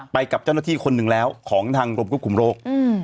ไปกับเจ้าหน้าที่คนหนึ่งแล้วของทางกรมควบคุมโรค